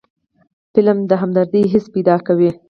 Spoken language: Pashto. فلم د همدردۍ حس پیدا کوي